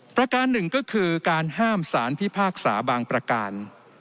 ประการหนึ่งก็คือการห้ามสารพิพากษาบางประการ